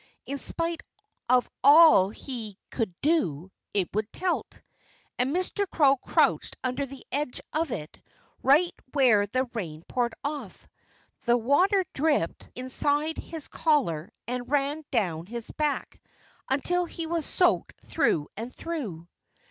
In spite of all he could do, it would tilt. And Mr. Crow crouched under the edge of it, right where the rain poured off. The water dripped inside his collar and ran down his back until he was soaked through and through.